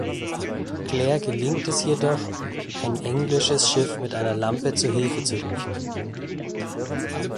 Claire gelingt es jedoch, ein englisches Schiff mit einer Lampe zu Hilfe zu rufen.